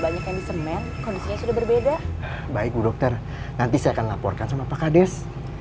banyak yang di semen kondisinya sudah berbeda baik bu dokter nanti saya akan laporkan sama pak kades